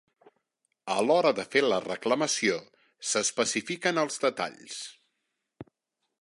A l'hora de fer la reclamació s'especifiquen els detalls.